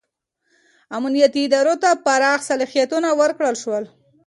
امنیتي ادارو ته پراخ صلاحیتونه ورکړل شول.